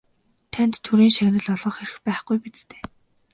Танд Төрийн шагнал олгох эрх байхгүй биз дээ?